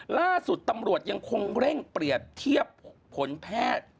ล่าสุดตำรวจยังคงเร่งเปรียบเทียบผลแพทย์